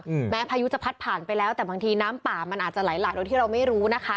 อืมแม้พายุจะพัดผ่านไปแล้วแต่บางทีน้ำป่ามันอาจจะไหลหลากโดยที่เราไม่รู้นะคะ